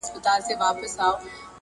پایکوب نه مې لاس وانخیست